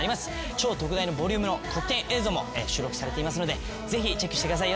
超特大のボリュームの特典映像も収録されていますのでぜひチェックしてください。